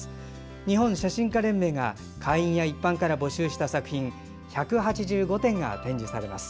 日本写真家連盟が会員や一般から募集した作品１８５点が展示されます。